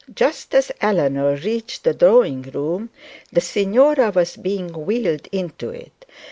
Just as Eleanor reached the drawing room the signora was being wheeled into it.